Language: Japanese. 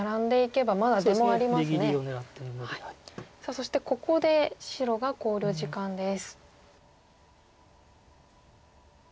そしてここで白が考慮時間です。